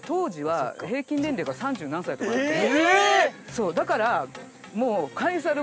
そうだからえ！